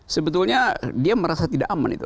sebetulnya dia merasa tidak aman itu